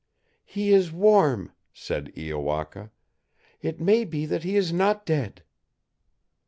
"He is warm," said Iowaka. "It may be that he is not dead."